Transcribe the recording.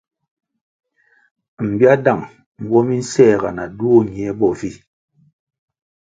Mbiáh dang nwo mi nséhga na duo ñie bo vi.